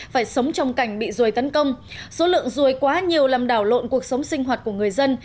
phải sống trong cảnh bị ruồi tấn công số lượng ruồi quá nhiều làm đảo lộn cuộc sống sinh hoạt của người dân